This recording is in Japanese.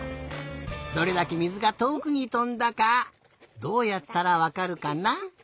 どれだけ水がとおくにとんだかどうやったらわかるかな？